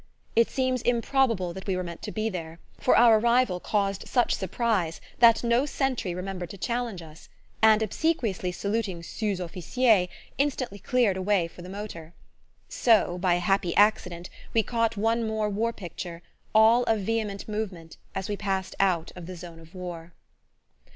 It seems improbable that we were meant to be there, for our arrival caused such surprise that no sentry remembered to challenge us, and obsequiously saluting sous officiers instantly cleared a way for the motor. So, by a happy accident, we caught one more war picture, all of vehement movement, as we passed out of the zone of war.